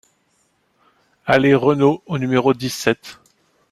Allée Renault au numéro dix-sept